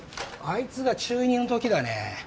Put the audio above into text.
あいつが中２のときだね